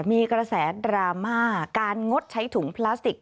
มีกระแสดราม่าการงดใช้ถุงพลาสติก